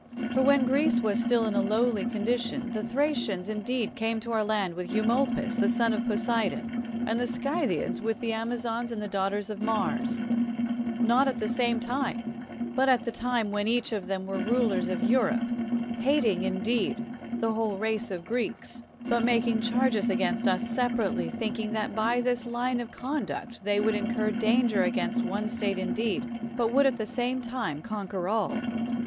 For when Greece was still in a lowly condition, the Thracians indeed came to our land with Eumolpus the son of Poseidon, and the Scythians with the Amazons the daughters of Mars, not at the same time, but at the time when each of them were rulers of Europe, hating, indeed, the whole race of the Greeks, but making charges against us sepa rately, thinking that by this line of conduct they would incur danger against one state indeed, but would at the same time conquer all.